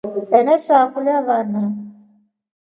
Enesakulya vana.